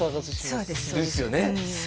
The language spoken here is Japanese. そうですですよね